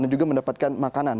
dan juga mendapatkan makanan